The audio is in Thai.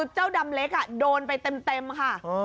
เจ้าดำเล็กโดนไปเต็มค่ะ